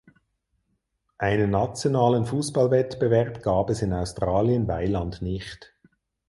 Einen nationalen Fußballwettbewerb gab es in Australien weiland nicht.